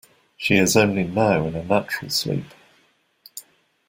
She is only now in a natural sleep.